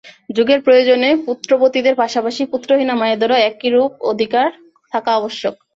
যুগের প্রয়োজনে পুত্রবতীদের পাশাপাশি পুত্রহীনা মায়েদেরও একই রূপ অধিকার থাকা আবশ্যক।